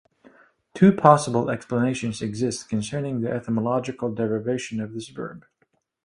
Two possible explanations exist concerning the etymological derivation of this verb.